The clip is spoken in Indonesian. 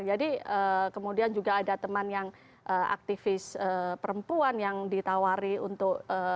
jadi kemudian juga ada teman yang aktivis perempuan yang ditawari untuk